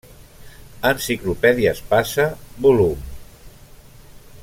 Enciclopèdia Espasa volum.